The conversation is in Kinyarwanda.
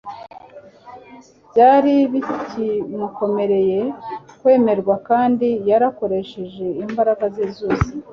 Byari bikimukomereye kwemerwa kandi yarakoresheje imbaraga ze zose